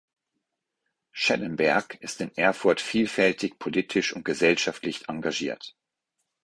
Schellenberg ist in Erfurt vielfältig politisch und gesellschaftlich engagiert.